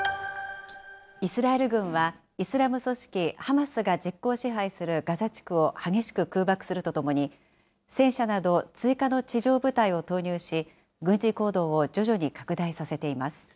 イスラエル軍は、イスラム組織ハマスが実効支配するガザ地区を激しく空爆するとともに、戦車など追加の地上部隊を投入し、軍事行動を徐々に拡大させています。